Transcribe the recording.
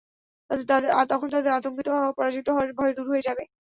তখন তাদের আতংকিত হওয়া ও পরাজিত হওয়ার ভয় দূর হয়ে যাবে।